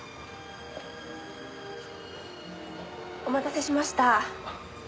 お待たせしました。